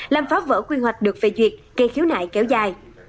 làm phá vỡ quy hoạch được phê duyệt cây khiếu nại kéo dài